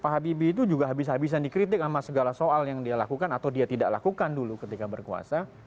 pak habibie itu juga habis habisan dikritik sama segala soal yang dia lakukan atau dia tidak lakukan dulu ketika berkuasa